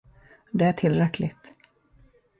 Det är tillräckligt.